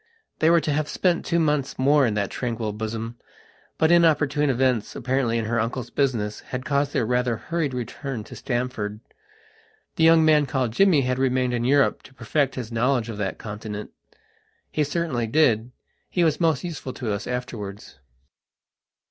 They were to have spent two months more in that tranquil bosom, but inopportune events, apparently in her uncle's business, had caused their rather hurried return to Stamford. The young man called Jimmy had remained in Europe to perfect his knowledge of that continent. He certainly did: he was most useful to us afterwards.